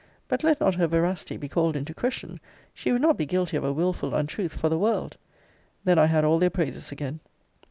But let not her veracity be called into question. She would not be guilty of a wilful untruth for the world. Then I had all their praises again.